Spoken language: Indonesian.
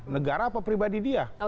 negara apa pribadi dia